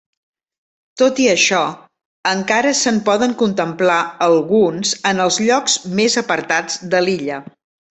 Tot i això, encara se'n poden contemplar alguns en els llocs més apartats de l'illa.